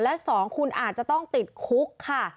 และ๒คุณอาจจะต้องติดคุกค่ะ